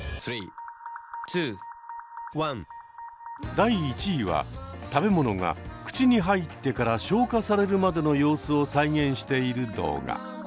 第１位は食べ物が口に入ってから消化されるまでの様子を再現している動画。